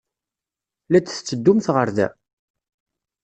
La d-tetteddumt ɣer da?